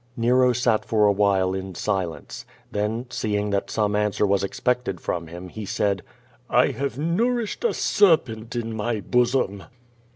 Nero sat for a while in silence. Then seeing that some answer was expected from him, he said: "I have nourished a serpent in my bosom."